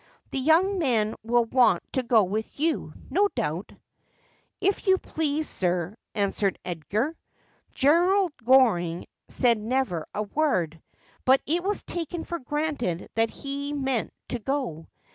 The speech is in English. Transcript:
The young men will want to go with you, no doubt.' ' If you please, sir,' answered Edgar. Gerald Goring said never a word, but it was taken for granted that he meant to go.